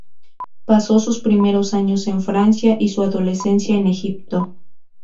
Pasó sus primeros años en Francia, y su adolescencia en Egipto.